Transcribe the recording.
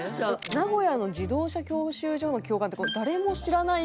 名古屋の自動車教習所の教官ってこれ誰も知らないものですよね？